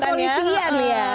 atau demi kepolisian ya